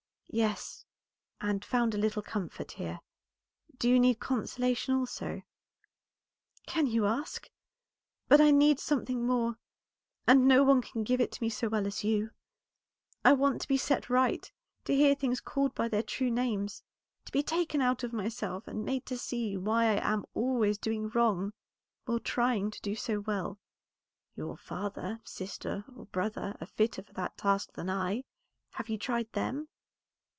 "Yes, and found a little comfort here. Do you need consolation also?" "Can you ask? But I need something more, and no one can give it to me so well as you. I want to be set right, to hear things called by their true names, to be taken out of myself and made to see why I am always doing wrong while trying to do well." "Your father, sister, or brother are fitter for that task than I. Have you tried them?"